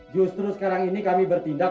justru sekarang ini kami bertindak